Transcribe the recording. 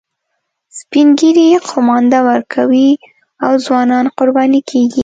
سپین ږیري قومانده ورکوي او ځوانان قرباني کیږي